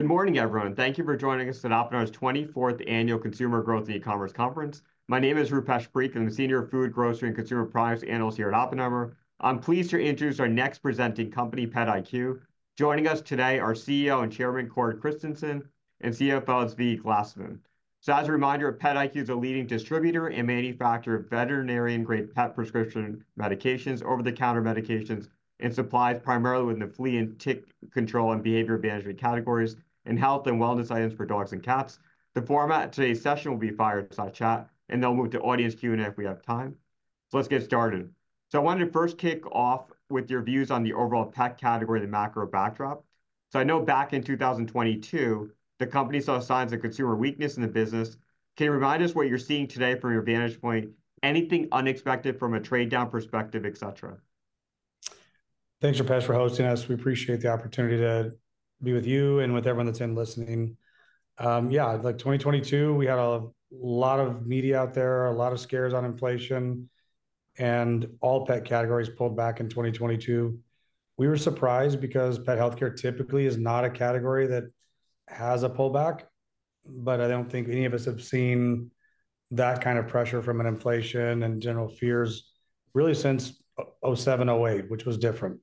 Good morning, everyone. Thank you for joining us at Oppenheimer's 24th Annual Consumer Growth and E-commerce Conference. My name is Rupesh Parikh. I'm a Senior Food, Grocery, and Consumer Products Analyst here at Oppenheimer. I'm pleased to introduce our next presenting company, PetIQ. Joining us today are CEO and Chairman Cord Christensen and CFO Zvi Glasman. So, as a reminder, PetIQ is a leading distributor and manufacturer of veterinarian-grade pet prescription medications, over-the-counter medications, and supplies, primarily within the flea and tick control and behavior management categories, and health and wellness items for dogs and cats. The format of today's session will be fireside chat, and then we'll move to audience Q&A if we have time. Let's get started. I wanted to first kick off with your views on the overall pet category and macro backdrop. I know back in 2022, the company saw signs of consumer weakness in the business. Can you remind us what you're seeing today from your vantage point? Anything unexpected from a trade-down perspective, etc.? Thanks, Rupesh, for hosting us. We appreciate the opportunity to be with you and with everyone that's listening. Yeah, like 2022, we had a lot of media out there, a lot of scares on inflation, and all pet categories pulled back in 2022. We were surprised because pet healthcare typically is not a category that has a pullback, but I don't think any of us have seen that kind of pressure from inflation and general fears really since 2007, 2008, which was different.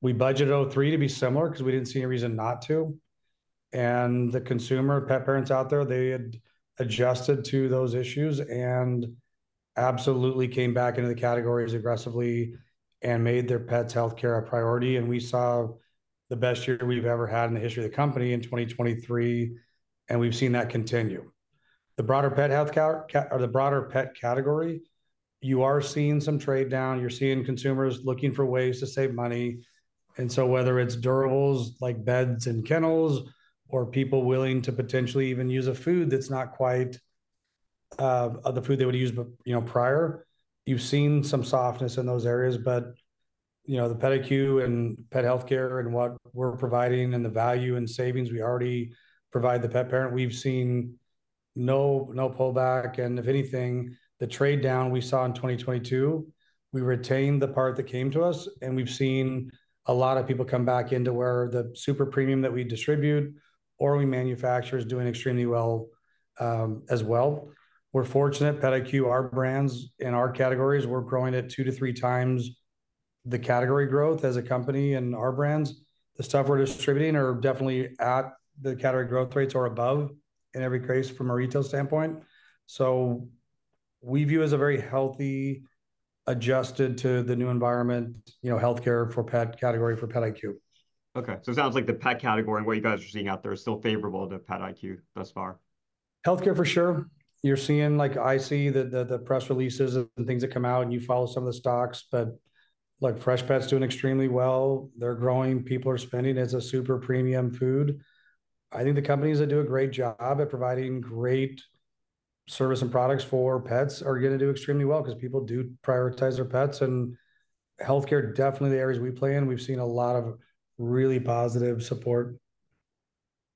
We budgeted 2023 to be similar because we didn't see any reason not to. The consumer pet parents out there, they had adjusted to those issues and absolutely came back into the categories aggressively and made their pets' healthcare a priority. We saw the best year we've ever had in the history of the company in 2023, and we've seen that continue. The broader pet health or the broader pet category, you are seeing some trade-down. You're seeing consumers looking for ways to save money. And so, whether it's durables like beds and kennels or people willing to potentially even use a food that's not quite the food they would use prior, you've seen some softness in those areas. But the PetIQ and pet healthcare and what we're providing and the value and savings we already provide the pet parent, we've seen no pullback. And if anything, the trade-down we saw in 2022, we retained the part that came to us, and we've seen a lot of people come back into where the super premium that we distribute or we manufacture is doing extremely well as well. We're fortunate. PetIQ, our brands in our categories, we're growing at two to three times the category growth as a company and our brands. The stuff we're distributing are definitely at the category growth rates or above in every case from a retail standpoint. So, we view as a very healthy, adjusted to the new environment, healthcare for pet category for PetIQ. Okay. So, it sounds like the pet category and what you guys are seeing out there is still favorable to PetIQ thus far. Healthcare for sure. You're seeing, like I see the press releases and things that come out, and you follow some of the stocks, but Freshpet's doing extremely well. They're growing. People are spending as a super premium food. I think the companies that do a great job at providing great service and products for pets are going to do extremely well because people do prioritize their pets. And healthcare, definitely the areas we play in, we've seen a lot of really positive support.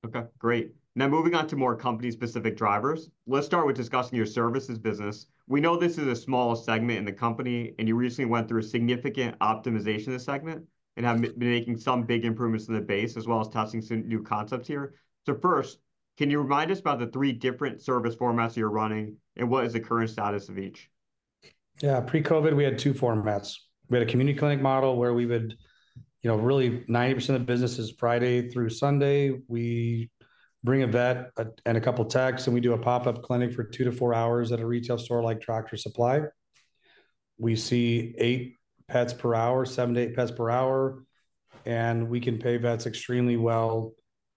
Okay. Great. Now, moving on to more company-specific drivers, let's start with discussing your services business. We know this is a small segment in the company, and you recently went through a significant optimization of the segment and have been making some big improvements in the base as well as testing some new concepts here. So, first, can you remind us about the three different service formats you're running and what is the current status of each? Yeah. Pre-COVID, we had 2 formats. We had a community clinic model where we would really 90% of the business is Friday through Sunday. We bring a vet and a couple of techs, and we do a pop-up clinic for 2-4 hours at a retail store like Tractor Supply. We see 8 pets per hour, 7-8 pets per hour, and we can pay vets extremely well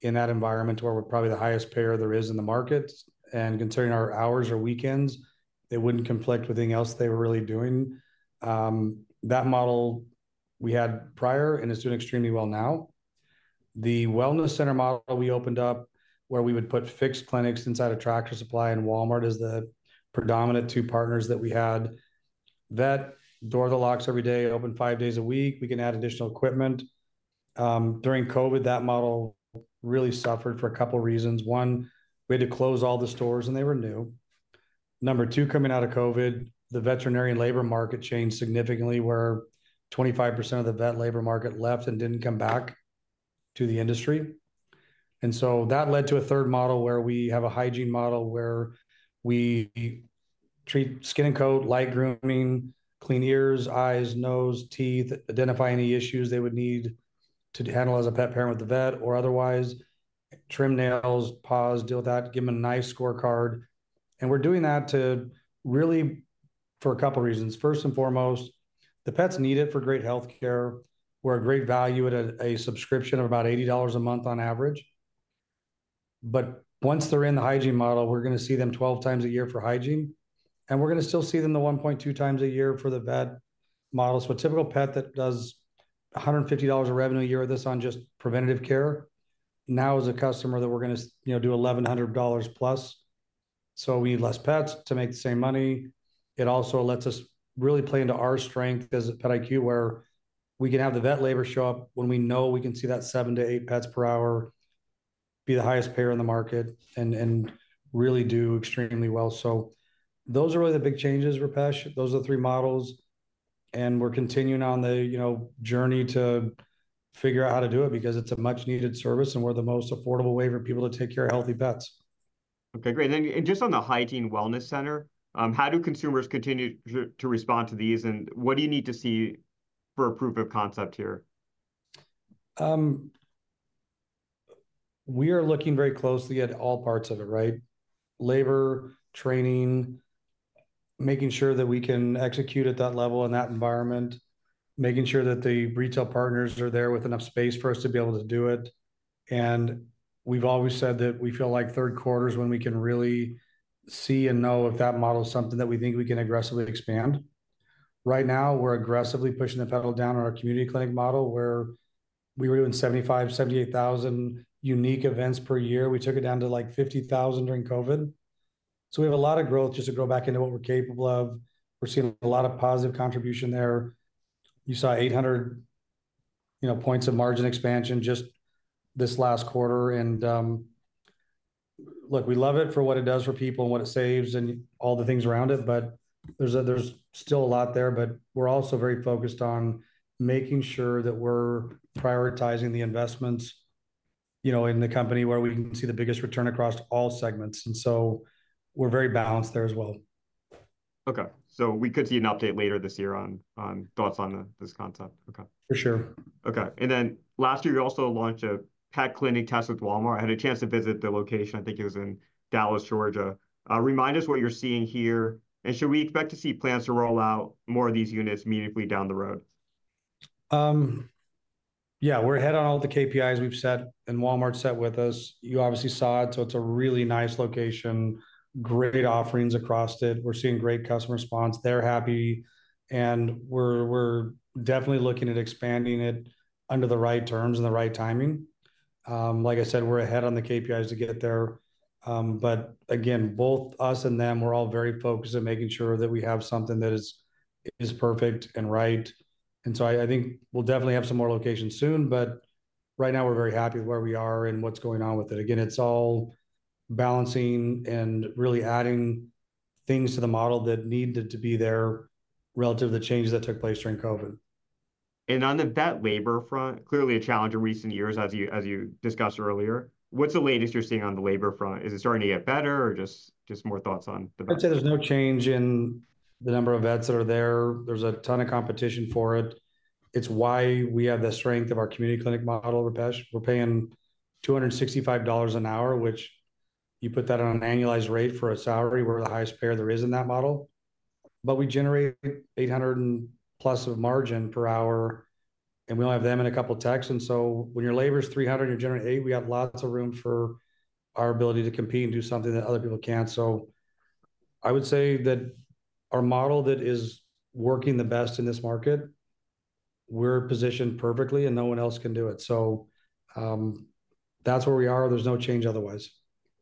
in that environment to where we're probably the highest payer there is in the market. And considering our hours are weekends, it wouldn't conflict with anything else they were really doing. That model we had prior and is doing extremely well now. The wellness center model we opened up where we would put fixed clinics inside of Tractor Supply and Walmart as the predominant 2 partners that we had. Vet door to locks every day, open 5 days a week. We can add additional equipment. During COVID, that model really suffered for a couple of reasons. One, we had to close all the stores and they were new. Number two, coming out of COVID, the veterinarian labor market changed significantly where 25% of the vet labor market left and didn't come back to the industry. And so, that led to a third model where we have a hygiene model where we treat skin and coat, light grooming, clean ears, eyes, nose, teeth, identify any issues they would need to handle as a pet parent with the vet or otherwise, trim nails, paws, deal with that, give them a nice scorecard. And we're doing that really for a couple of reasons. First and foremost, the pets need it for great healthcare. We're a great value at a subscription of about $80 a month on average. But once they're in the hygiene model, we're going to see them 12 times a year for hygiene, and we're going to still see them the 1.2 times a year for the vet model. So, a typical pet that does $150 of revenue a year with us on just preventative care now is a customer that we're going to do $1,100+. So, we need less pets to make the same money. It also lets us really play into our strength as PetIQ where we can have the vet labor show up when we know we can see that 7-8 pets per hour be the highest payer in the market and really do extremely well. So, those are really the big changes, Rupesh. Those are the three models, and we're continuing on the journey to figure out how to do it because it's a much-needed service and we're the most affordable way for people to take care of healthy pets. Okay. Great. Just on the hygiene wellness center, how do consumers continue to respond to these, and what do you need to see for a proof of concept here? We are looking very closely at all parts of it, right? Labor, training, making sure that we can execute at that level in that environment, making sure that the retail partners are there with enough space for us to be able to do it. We've always said that we feel like third quarter is when we can really see and know if that model is something that we think we can aggressively expand. Right now, we're aggressively pushing the pedal down on our community clinic model where we were doing 75,000, 78,000 unique events per year. We took it down to like 50,000 during COVID. We have a lot of growth just to go back into what we're capable of. We're seeing a lot of positive contribution there. You saw 800 points of margin expansion just this last quarter. Look, we love it for what it does for people and what it saves and all the things around it, but there's still a lot there. We're also very focused on making sure that we're prioritizing the investments in the company where we can see the biggest return across all segments. So, we're very balanced there as well. Okay. We could see an update later this year on thoughts on this concept. Okay. For sure. Okay. And then last year, you also launched a pet clinic test with Walmart. I had a chance to visit the location. I think it was in Dallas, Georgia. Remind us what you're seeing here, and should we expect to see plans to roll out more of these units meaningfully down the road? Yeah. We're ahead on all the KPIs we've set and Walmart set with us. You obviously saw it. So, it's a really nice location, great offerings across it. We're seeing great customer response. They're happy, and we're definitely looking at expanding it under the right terms and the right timing. Like I said, we're ahead on the KPIs to get there. But again, both us and them, we're all very focused on making sure that we have something that is perfect and right. And so, I think we'll definitely have some more locations soon, but right now, we're very happy with where we are and what's going on with it. Again, it's all balancing and really adding things to the model that needed to be there relative to the changes that took place during COVID. On the vet labor front, clearly a challenge in recent years, as you discussed earlier. What's the latest you're seeing on the labor front? Is it starting to get better or just more thoughts on the vet? I'd say there's no change in the number of vets that are there. There's a ton of competition for it. It's why we have the strength of our community clinic model, Rupesh. We're paying $265 an hour, which you put that on an annualized rate for a salary. We're the highest payer there is in that model. But we generate $800+ of margin per hour, and we only have them and a couple of techs. And so, when your labor is $300 and you're generating $80, we have lots of room for our ability to compete and do something that other people can't. So, I would say that our model that is working the best in this market, we're positioned perfectly, and no one else can do it. So, that's where we are. There's no change otherwise.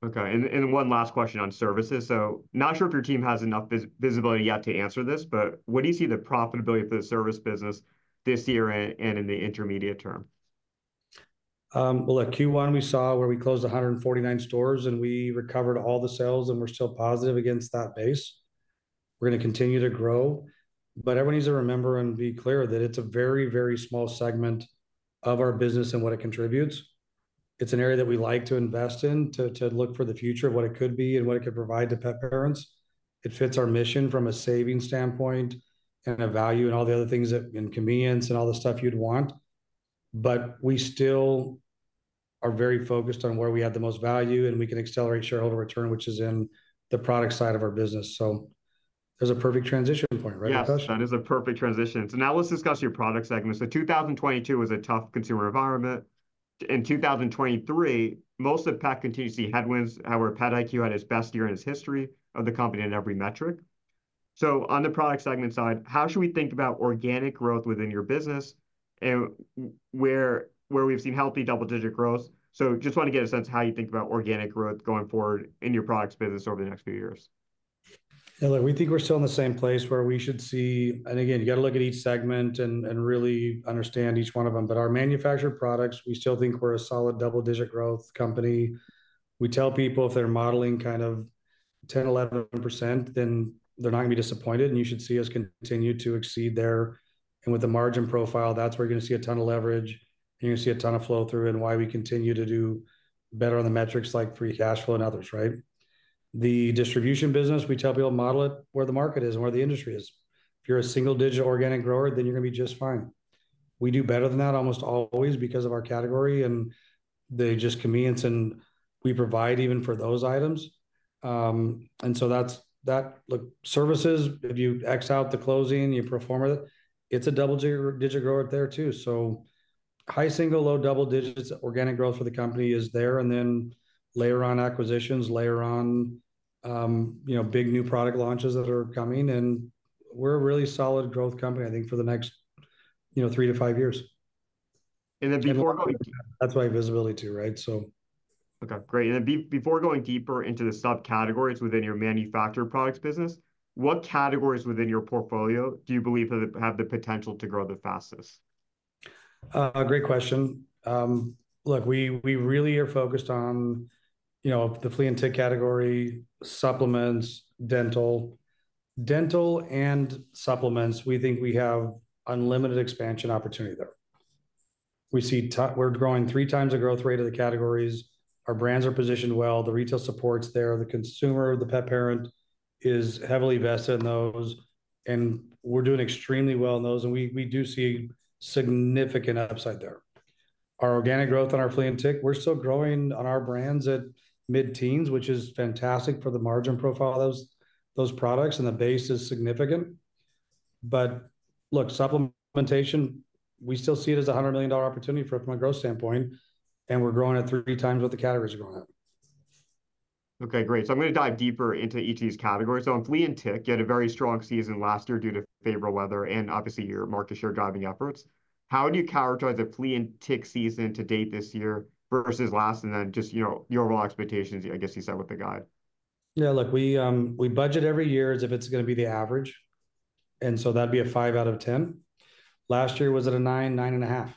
Okay. One last question on services. Not sure if your team has enough visibility yet to answer this, but what do you see the profitability for the service business this year and in the intermediate term? Well, at Q1, we saw where we closed 149 stores, and we recovered all the sales, and we're still positive against that base. We're going to continue to grow. But everyone needs to remember and be clear that it's a very, very small segment of our business and what it contributes. It's an area that we like to invest in to look for the future of what it could be and what it could provide to pet parents. It fits our mission from a savings standpoint and a value and all the other things and convenience and all the stuff you'd want. But we still are very focused on where we have the most value, and we can accelerate shareholder return, which is in the product side of our business. So, there's a perfect transition point, right, Rupesh? Yes. That is a perfect transition. So now let's discuss your product segment. So, 2022 was a tough consumer environment. In 2023, most of pet continued to see headwinds where PetIQ had its best year in its history of the company in every metric. So, on the product segment side, how should we think about organic growth within your business where we've seen healthy double-digit growth? So, just want to get a sense of how you think about organic growth going forward in your products business over the next few years. Yeah. Look, we think we're still in the same place where we should see, and again, you got to look at each segment and really understand each one of them. But our manufactured products, we still think we're a solid double-digit growth company. We tell people if they're modeling kind of 10%-11%, then they're not going to be disappointed, and you should see us continue to exceed there. And with the margin profile, that's where you're going to see a ton of leverage, and you're going to see a ton of flow through and why we continue to do better on the metrics like free cash flow and others, right? The distribution business, we tell people to model it where the market is and where the industry is. If you're a single-digit organic grower, then you're going to be just fine. We do better than that almost always because of our category and the just convenience, and we provide even for those items. So, that services, if you X out the closing, you perform with it, it's a double-digit grower there too. High single, low double digits organic growth for the company is there, and then layer on acquisitions, layer on big new product launches that are coming, and we're a really solid growth company, I think, for the next three to five years. And then before going. That's why visibility too, right? So. Okay. Great. And then before going deeper into the subcategories within your manufactured products business, what categories within your portfolio do you believe have the potential to grow the fastest? Great question. Look, we really are focused on the flea and tick category, supplements, dental. Dental and supplements, we think we have unlimited expansion opportunity there. We're growing three times the growth rate of the categories. Our brands are positioned well. The retail support's there. The consumer, the pet parent is heavily vested in those, and we're doing extremely well in those, and we do see significant upside there. Our organic growth on our flea and tick, we're still growing on our brands at mid-teens, which is fantastic for the margin profile of those products, and the base is significant. But look, supplementation, we still see it as a $100 million opportunity from a growth standpoint, and we're growing at three times what the categories are growing at. Okay. Great. So, I'm going to dive deeper into each of these categories. So, in flea and tick, you had a very strong season last year due to favorable weather and obviously your market share driving efforts. How would you characterize the flea and tick season to date this year versus last and then just your overall expectations, I guess you said with the guide? Yeah. Look, we budget every year as if it's going to be the average, and so that'd be a 5 out of 10. Last year was at a 9, 9.5.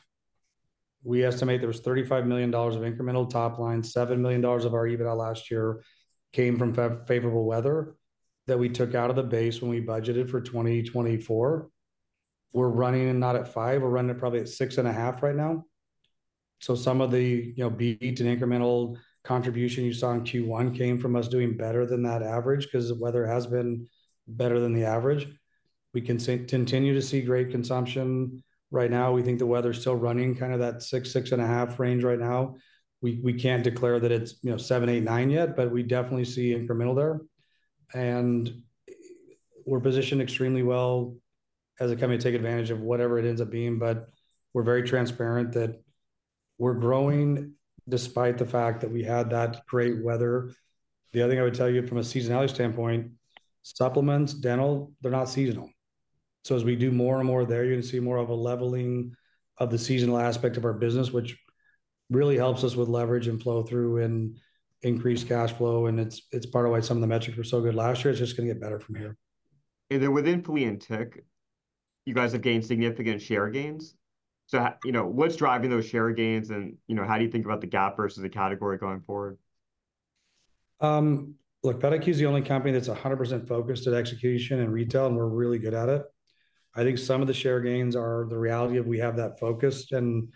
We estimate there was $35 million of incremental top line, $7 million of our EBITDA last year came from favorable weather that we took out of the base when we budgeted for 2024. We're running not at 5. We're running at probably at 6.5 right now. So, some of the beat and incremental contribution you saw in Q1 came from us doing better than that average because the weather has been better than the average. We continue to see great consumption. Right now, we think the weather is still running kind of that 6, 6.5 range right now. We can't declare that it's 7, 8, 9 yet, but we definitely see incremental there. We're positioned extremely well as a company to take advantage of whatever it ends up being, but we're very transparent that we're growing despite the fact that we had that great weather. The other thing I would tell you from a seasonality standpoint, supplements, dental, they're not seasonal. So, as we do more and more there, you're going to see more of a leveling of the seasonal aspect of our business, which really helps us with leverage and flow through and increased cash flow, and it's part of why some of the metrics were so good last year. It's just going to get better from here. Then within flea and tick, you guys have gained significant share gains. What's driving those share gains, and how do you think about the gap versus the category going forward? Look, PetIQ is the only company that's 100% focused at execution and retail, and we're really good at it. I think some of the share gains are the reality of we have that focused, and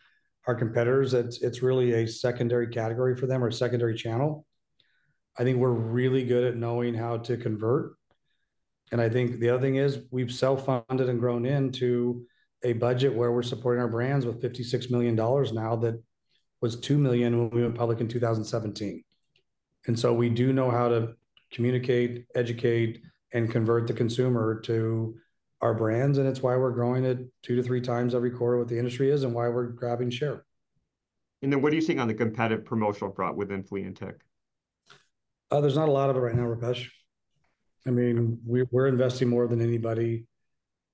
our competitors, it's really a secondary category for them or a secondary channel. I think we're really good at knowing how to convert. And I think the other thing is we've self-funded and grown into a budget where we're supporting our brands with $56 million now; that was $2 million when we went public in 2017. And so, we do know how to communicate, educate, and convert the consumer to our brands, and it's why we're growing at 2-3 times every quarter what the industry is and why we're grabbing share. What do you think on the competitive promotional fraud within flea and tick? There's not a lot of it right now, Rupesh. I mean, we're investing more than anybody.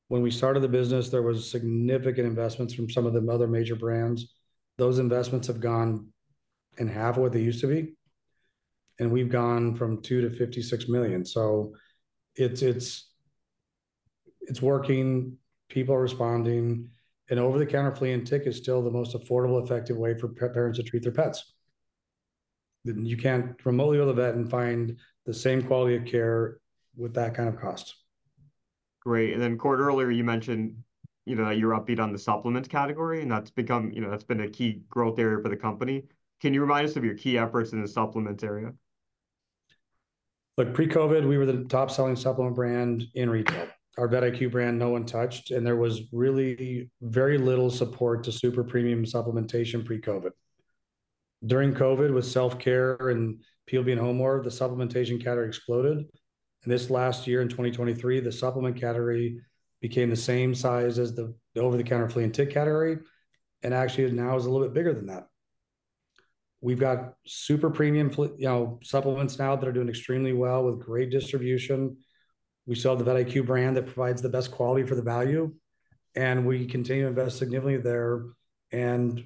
When we started the business, there were significant investments from some of the other major brands. Those investments have gone in half of what they used to be, and we've gone from $2 million - $56 million. So, it's working. People are responding. And over-the-counter flea and tick is still the most affordable, effective way for pet parents to treat their pets. You can't remotely go to the vet and find the same quality of care with that kind of cost. Great. And then, Cord, earlier you mentioned you're upbeat on the supplements category, and that's been a key growth area for the company. Can you remind us of your key efforts in the supplements area? Look, pre-COVID, we were the top-selling supplement brand in retail. Our VetIQ brand, no one touched, and there was really very little support to super premium supplementation pre-COVID. During COVID, with self-care and people being home more, the supplementation category exploded. And this last year in 2023, the supplement category became the same size as the over-the-counter flea and tick category, and actually now is a little bit bigger than that. We've got super premium supplements now that are doing extremely well with great distribution. We sell the VetIQ brand that provides the best quality for the value, and we continue to invest significantly there. And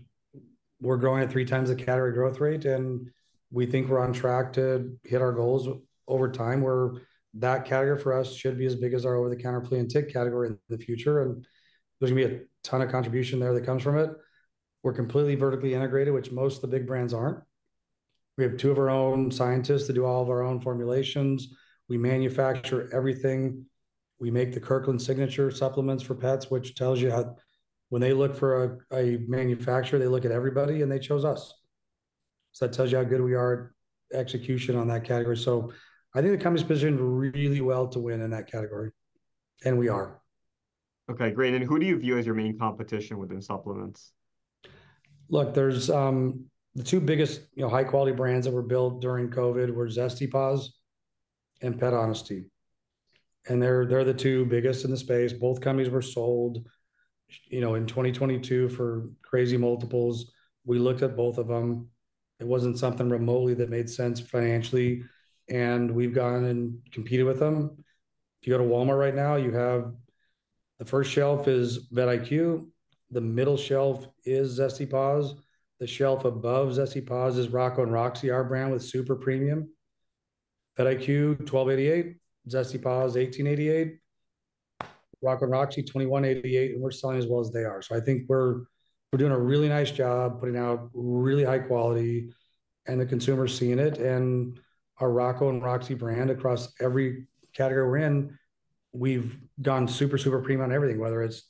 we're growing at three times the category growth rate, and we think we're on track to hit our goals over time where that category for us should be as big as our over-the-counter flea and tick category in the future. There's going to be a ton of contribution there that comes from it. We're completely vertically integrated, which most of the big brands aren't. We have two of our own scientists that do all of our own formulations. We manufacture everything. We make the Kirkland Signature supplements for pets, which tells you how when they look for a manufacturer, they look at everybody, and they chose us. That tells you how good we are at execution on that category. I think the company's positioned really well to win in that category, and we are. Okay. Great. And who do you view as your main competition within supplements? Look, there are the two biggest high-quality brands that were built during COVID were Zesty Paws and Pet Honesty. And they're the two biggest in the space. Both companies were sold in 2022 for crazy multiples. We looked at both of them. It wasn't something remotely that made sense financially, and we've gone and competed with them. If you go to Walmart right now, you have the first shelf is VetIQ. The middle shelf is Zesty Paws. The shelf above Zesty Paws is Rocco & Roxie, our brand with super premium. PetIQ, $12.88. Zesty Paws, $18.88. Rocco & Roxie, $21.88. And we're selling as well as they are. So, I think we're doing a really nice job putting out really high quality, and the consumer's seeing it. Our Rocco & Roxie brand across every category we're in, we've gone super, super premium on everything, whether it's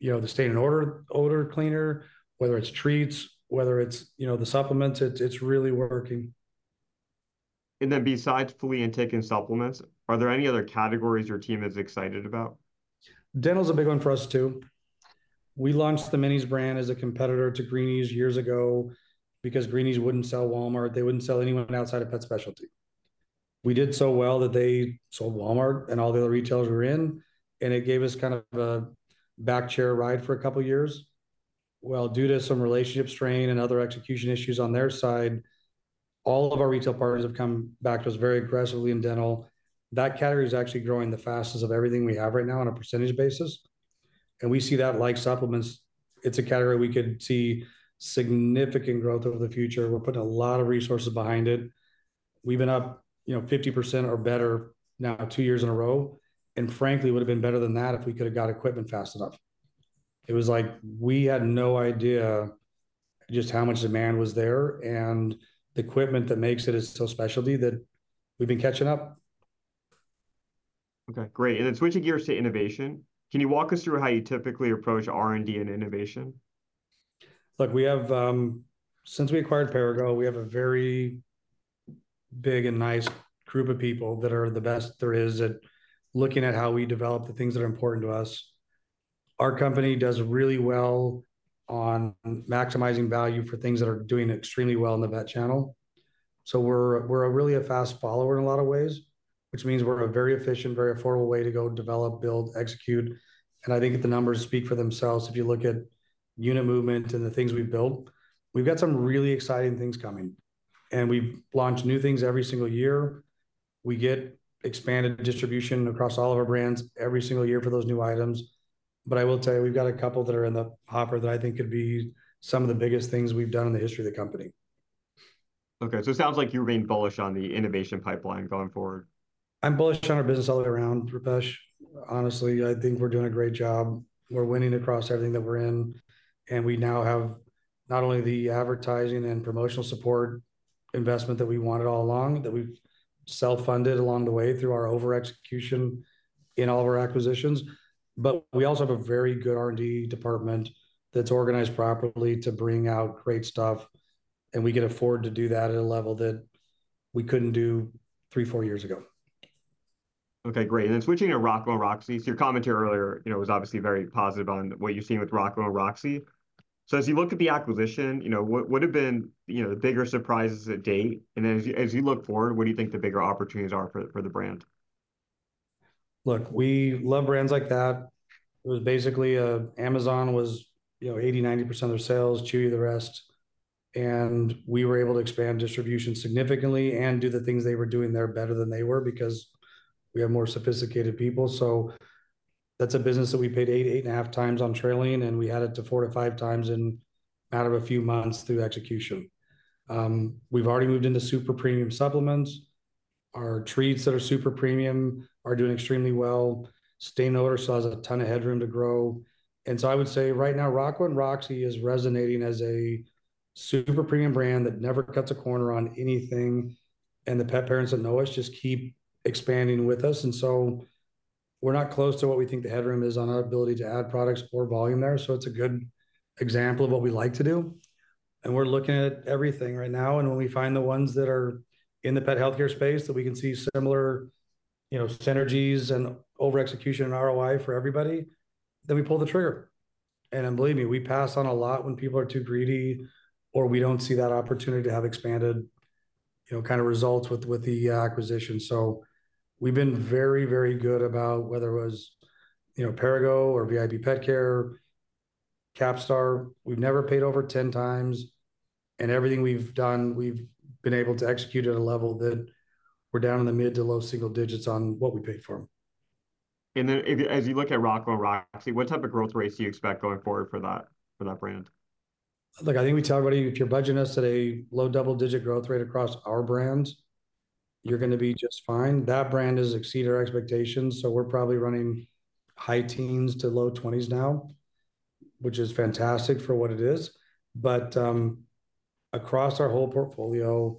the stain and odor cleaner, whether it's treats, whether it's the supplements. It's really working. Besides flea and tick and supplements, are there any other categories your team is excited about? Dental is a big one for us too. We launched the Minies brand as a competitor to Greenies years ago because Greenies wouldn't sell Walmart. They wouldn't sell anyone outside of pet specialty. We did so well that they sold Walmart and all the other retailers we were in, and it gave us kind of a piggyback ride for a couple of years. Well, due to some relationship strain and other execution issues on their side, all of our retail partners have come back to us very aggressively in dental. That category is actually growing the fastest of everything we have right now on a percentage basis. We see that like supplements. It's a category we could see significant growth over the future. We're putting a lot of resources behind it. We've been up 50% or better now two years in a row. Frankly, it would have been better than that if we could have got equipment fast enough. It was like we had no idea just how much demand was there, and the equipment that makes it is so specialty that we've been catching up. Okay. Great. And then switching gears to innovation, can you walk us through how you typically approach R&D and innovation? Look, since we acquired Perrigo, we have a very big and nice group of people that are the best there is at looking at how we develop the things that are important to us. Our company does really well on maximizing value for things that are doing extremely well in the vet channel. So, we're really a fast follower in a lot of ways, which means we're a very efficient, very affordable way to go develop, build, execute. And I think the numbers speak for themselves. If you look at unit movement and the things we've built, we've got some really exciting things coming. And we launch new things every single year. We get expanded distribution across all of our brands every single year for those new items. But I will tell you, we've got a couple that are in the hopper that I think could be some of the biggest things we've done in the history of the company. Okay. So, it sounds like you remain bullish on the innovation pipeline going forward. I'm bullish on our business all the way around, Rupesh. Honestly, I think we're doing a great job. We're winning across everything that we're in. And we now have not only the advertising and promotional support investment that we wanted all along, that we've self-funded along the way through our over-execution in all of our acquisitions, but we also have a very good R&D department that's organized properly to bring out great stuff. And we can afford to do that at a level that we couldn't do 3 - 4 years ago. Okay. Great. And then switching to Rocco & Roxie, your commentary earlier was obviously very positive on what you're seeing with Rocco & Roxie. So, as you look at the acquisition, what have been the bigger surprises to date? And then as you look forward, what do you think the bigger opportunities are for the brand? Look, we love brands like that. It was basically Amazon was 80%-90% of their sales, Chewy the rest. We were able to expand distribution significantly and do the things they were doing there better than they were because we have more sophisticated people. So, that's a business that we paid 8-8.5x on trailing, and we added to 4-5x in a matter of a few months through execution. We've already moved into super premium supplements. Our treats that are super premium are doing extremely well. Stain and odor still has a ton of headroom to grow. So, I would say right now, Rocco & Roxie is resonating as a super premium brand that never cuts a corner on anything. And the pet parents that know us just keep expanding with us. And so, we're not close to what we think the headroom is on our ability to add products or volume there. So, it's a good example of what we like to do. And we're looking at everything right now. And when we find the ones that are in the pet healthcare space that we can see similar synergies and over-execution and ROI for everybody, then we pull the trigger. And believe me, we pass on a lot when people are too greedy or we don't see that opportunity to have expanded kind of results with the acquisition. So, we've been very, very good about whether it was Perrigo or VIP Petcare, Capstar. We've never paid over 10x. And everything we've done, we've been able to execute at a level that we're down in the mid- to low-single digits on what we paid for them. And then as you look at Rocco & Roxie, what type of growth rates do you expect going forward for that brand? Look, I think we tell everybody, if you're budgeting us at a low double-digit growth rate across our brand, you're going to be just fine. That brand has exceeded our expectations. So, we're probably running high teens to low twenties now, which is fantastic for what it is. But across our whole portfolio,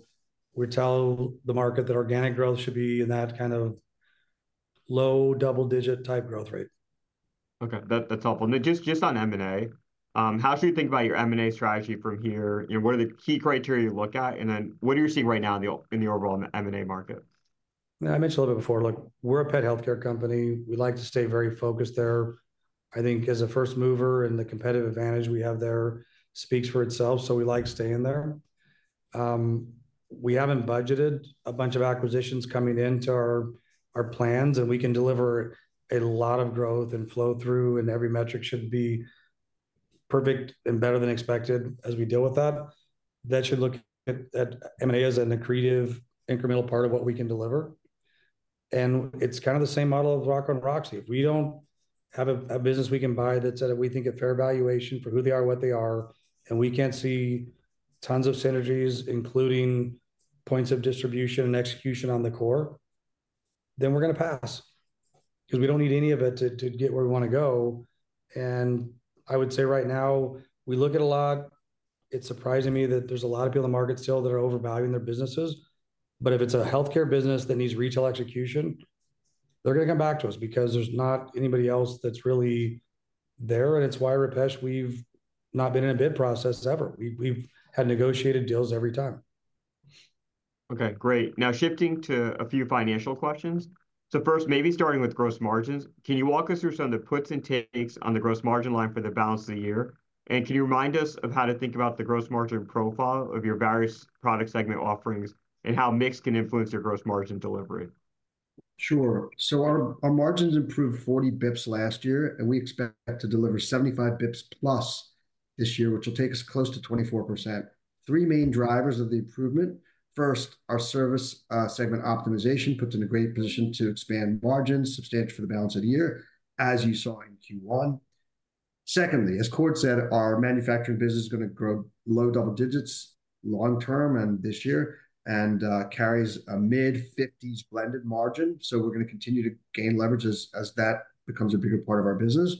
we tell the market that organic growth should be in that kind of low double-digit type growth rate. Okay. That's helpful. And then just on M&A, how should you think about your M&A strategy from here? What are the key criteria you look at? And then what are you seeing right now in the overall M&A market? I mentioned a little bit before. Look, we're a pet healthcare company. We like to stay very focused there. I think as a first mover and the competitive advantage we have there speaks for itself. So, we like staying there. We haven't budgeted a bunch of acquisitions coming into our plans, and we can deliver a lot of growth and flow through, and every metric should be perfect and better than expected as we deal with that. That should look at M&A as an accretive incremental part of what we can deliver. And it's kind of the same model of Rocco & Roxie. If we don't have a business we can buy that's at, we think, a fair valuation for who they are, what they are, and we can't see tons of synergies, including points of distribution and execution on the core, then we're going to pass because we don't need any of it to get where we want to go. I would say right now, we look at a lot. It's surprising me that there's a lot of people in the market still that are overvaluing their businesses. If it's a healthcare business that needs retail execution, they're going to come back to us because there's not anybody else that's really there. It's why, Rupesh, we've not been in a bid process ever. We've had negotiated deals every time. Okay. Great. Now, shifting to a few financial questions. First, maybe starting with gross margins, can you walk us through some of the puts and takes on the gross margin line for the balance of the year? And can you remind us of how to think about the gross margin profile of your various product segment offerings and how mix can influence your gross margin delivery? Sure. So, our margins improved 40 basis points last year, and we expect to deliver 75 basis points plus this year, which will take us close to 24%. Three main drivers of the improvement. First, our service segment optimization puts in a great position to expand margins substantially for the balance of the year, as you saw in Q1. Secondly, as Cord said, our manufacturing business is going to grow low double digits long-term and this year and carries a mid-50s blended margin. So, we're going to continue to gain leverage as that becomes a bigger part of our business.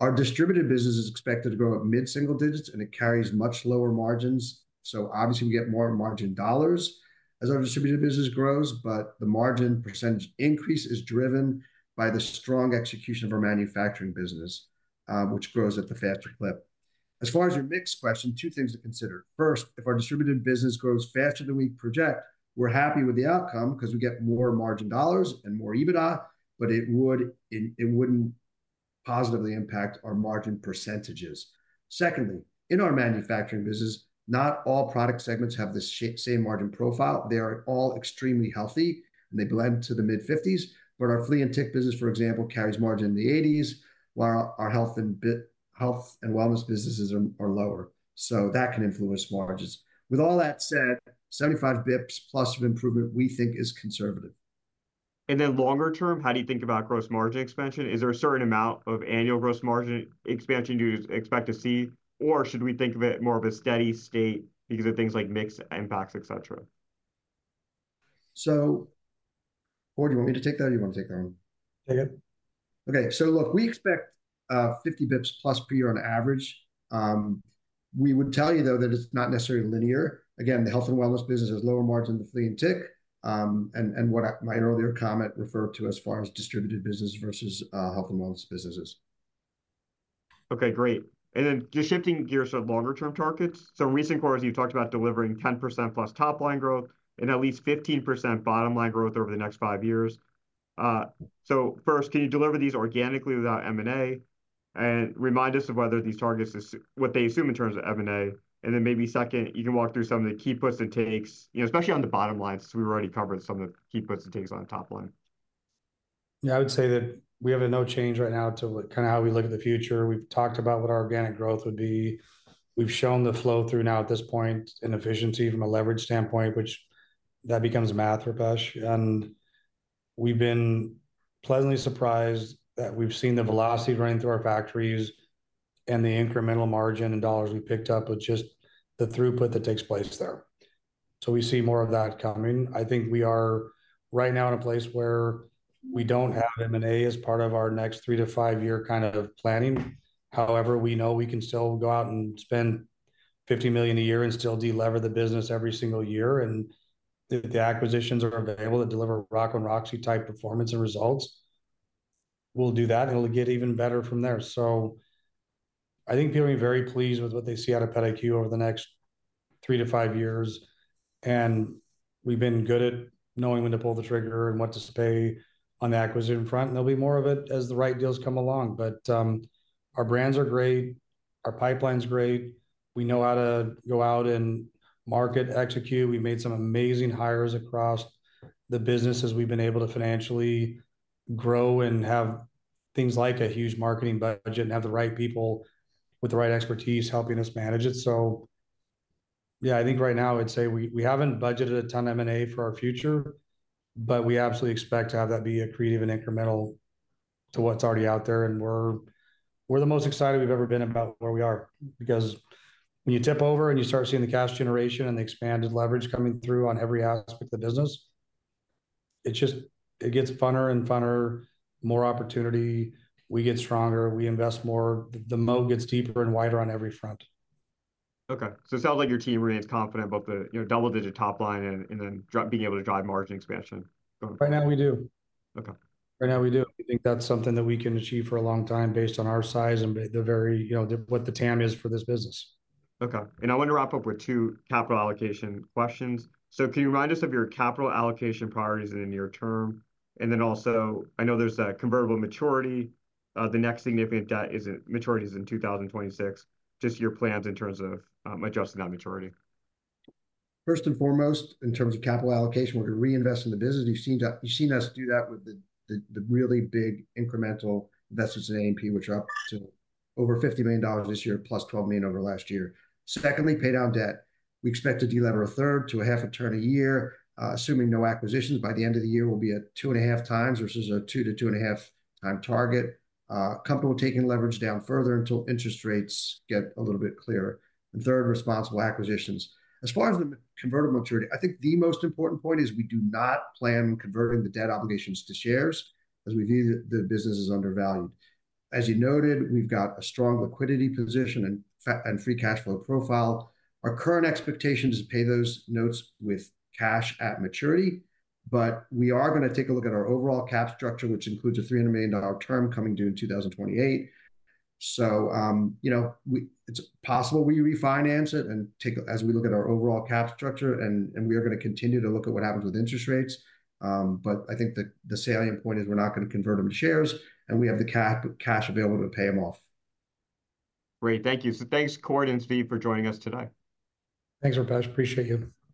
Our distributed business is expected to grow at mid-single digits, and it carries much lower margins. So, obviously, we get more margin dollars as our distributed business grows, but the margin percentage increase is driven by the strong execution of our manufacturing business, which grows at the faster clip. As far as your mix question, two things to consider. First, if our distributed business grows faster than we project, we're happy with the outcome because we get more margin dollars and more EBITDA, but it wouldn't positively impact our margin percentages. Secondly, in our manufacturing business, not all product segments have the same margin profile. They are all extremely healthy, and they blend to the mid-50s. But our flea and tick business, for example, carries margin in the 80s, while our health and wellness businesses are lower. So, that can influence margins. With all that said, 75 bps+ of improvement we think is conservative. And then longer term, how do you think about gross margin expansion? Is there a certain amount of annual gross margin expansion you expect to see, or should we think of it more of a steady state because of things like mixed impacts, etc.? So, Cord, do you want me to take that or do you want to take that one? Take it. Okay. So, look, we expect 50 basis points+ per year on average. We would tell you, though, that it's not necessarily linear. Again, the health and wellness business has lower margin than the flea and tick, and what my earlier comment referred to as far as distributed business versus health and wellness businesses. Okay. Great. And then just shifting gears to longer-term targets. So, recent quarters, you've talked about delivering 10%+ top-line growth and at least 15% bottom-line growth over the next five years. So, first, can you deliver these organically without M&A? And remind us of whether these targets are what they assume in terms of M&A? And then maybe second, you can walk through some of the key puts and takes, especially on the bottom line, since we've already covered some of the key puts and takes on the top line. Yeah, I would say that we have a no change right now to kind of how we look at the future. We've talked about what our organic growth would be. We've shown the flow through now at this point and efficiency from a leverage standpoint, which that becomes math, Rupesh. And we've been pleasantly surprised that we've seen the velocity running through our factories and the incremental margin and dollars we picked up with just the throughput that takes place there. So, we see more of that coming. I think we are right now in a place where we don't have M&A as part of our next 3- to 5-year kind of planning. However, we know we can still go out and spend $50 million a year and still deliver the business every single year. If the acquisitions are available that deliver Rocco & Roxie-type performance and results, we'll do that, and it'll get even better from there. So, I think people are very pleased with what they see out of PetIQ over the next three to five years. And we've been good at knowing when to pull the trigger and what to pay on the acquisition front. There'll be more of it as the right deals come along. But our brands are great. Our pipeline's great. We know how to go out and market, execute. We've made some amazing hires across the businesses. We've been able to financially grow and have things like a huge marketing budget and have the right people with the right expertise helping us manage it. So, yeah, I think right now I'd say we haven't budgeted a ton of M&A for our future, but we absolutely expect to have that be accretive and incremental to what's already out there. And we're the most excited we've ever been about where we are because when you tip over and you start seeing the cash generation and the expanded leverage coming through on every aspect of the business, it gets funner and funner, more opportunity. We get stronger. We invest more. The moat gets deeper and wider on every front. Okay. So, it sounds like your team remains confident about the double-digit top line and then being able to drive margin expansion. Right now, we do. Right now, we do. I think that's something that we can achieve for a long time based on our size and what the TAM is for this business. Okay. And I want to wrap up with two capital allocation questions. So, can you remind us of your capital allocation priorities in the near term? And then also, I know there's convertible maturity. The next significant debt maturity is in 2026. Just your plans in terms of adjusting that maturity. First and foremost, in terms of capital allocation, we're going to reinvest in the business. You've seen us do that with the really big incremental investments in A&P, which are up to over $50 million this year plus $12 million over last year. Secondly, pay down debt. We expect to delever 1/3-1/2 turn a year, assuming no acquisitions by the end of the year will be at 2.5 times versus a 2-2.5 times target. Comfortable taking leverage down further until interest rates get a little bit clearer. Third, responsible acquisitions. As far as the convertible maturity, I think the most important point is we do not plan on converting the debt obligations to shares as we view the business as undervalued. As you noted, we've got a strong liquidity position and free cash flow profile. Our current expectation is to pay those notes with cash at maturity. But we are going to take a look at our overall cap structure, which includes a $300 million term coming due in 2028. So, it's possible we refinance it and take as we look at our overall cap structure, and we are going to continue to look at what happens with interest rates. But I think the salient point is we're not going to convert them to shares, and we have the cash available to pay them off. Great. Thank you. So, thanks, Cord and Zvi for joining us today. Thanks, Rupesh. Appreciate you.